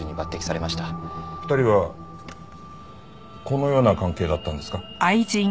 ２人はこのような関係だったんですか？